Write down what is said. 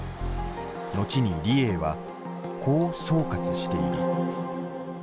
後に李鋭はこう総括している。